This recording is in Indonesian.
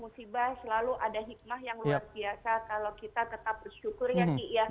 ternyata di balik musibah selalu ada hikmah yang luar biasa kalau kita tetap bersyukur ya ki